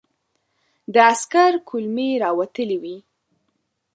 د عسکر کولمې را وتلې وې.